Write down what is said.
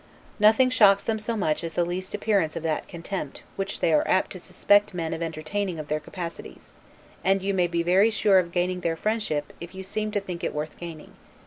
Nothing shocks them so much as the least appearance of that contempt which they are apt to suspect men of entertaining of their capacities; and you may be very sure of gaining their friendship if you seem to think it worth gaining.